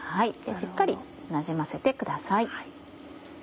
しっかりなじませてください。